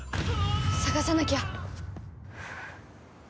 捜さなきゃ！